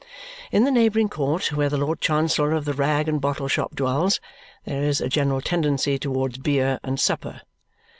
In the neighbouring court, where the Lord Chancellor of the rag and bottle shop dwells, there is a general tendency towards beer and supper.